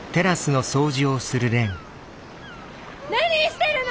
・何してるの！